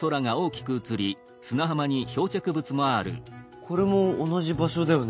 これも同じ場所だよね？